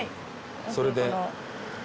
それで。